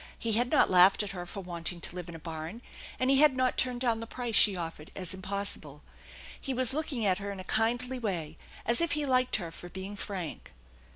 He had not laughed at her for wanting to live in a barn, and he had not turned down the price she offered as impossible ! He was looking at her in a kindly way as if he liked her for being frank.